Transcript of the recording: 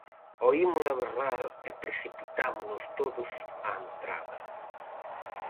Oímola berrar e precipitámonos todos á entrada.